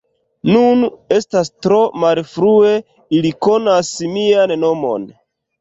Nun, estas tro malfrue, ili konas mian nomon.